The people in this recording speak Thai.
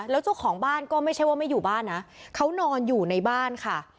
แล้วเจ้าของบ้านก็ไม่ใช่ว่าไม่อยู่บ้านนะเขานอนอยู่ในบ้านค่ะ